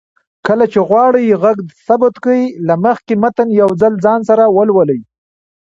کله چې غواړئ غږ ثبت کړئ، له مخکې متن يو ځل ځان سره ولولئ